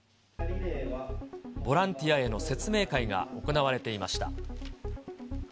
ボランティアへの説明会が行われていました。